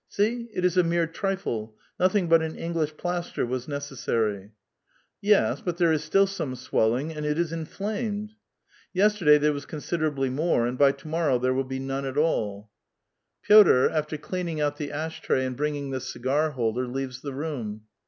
See, it is a mere trifle ; nothing but an English plaster was necessary." '• Yes ; but there is still some swelling, and it is inflamed." " Y^'esterdny there was considerabl3' more, and by to mor row there will be none at all." A VITAL QUESTION. 435 Pibtr, after cleaning out the ash tray and bringing the cigar holder, leaves the room.